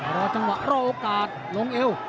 รอจังหวะรอโอกาสลงเอว